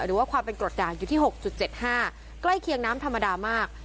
หรือว่าความเป็นกรดจานอยู่ที่หกจุดเจ็ดห้าใกล้เคียงน้ำธรรมดามาก